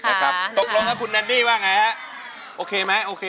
ตกลงกับคุณแนนนี่ว่าไงโอเคไหมโอเคไหม